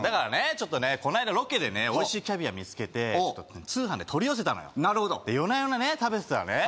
ちょっとねこないだロケでねおいしいキャビア見つけて通販で取り寄せたのよなるほど夜な夜なね食べてたらね